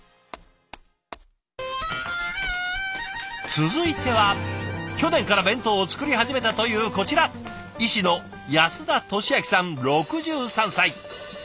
続いては去年から弁当を作り始めたというこちら医師の安田敏明さん６３歳。